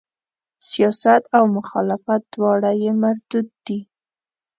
سیاست او مخالفت دواړه یې مردود دي.